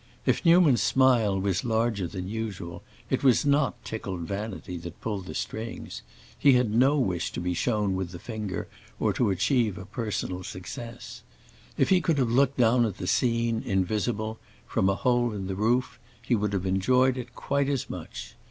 If Newman's smile was larger than usual, it was not tickled vanity that pulled the strings; he had no wish to be shown with the finger or to achieve a personal success. If he could have looked down at the scene, invisible, from a hole in the roof, he would have enjoyed it quite as much.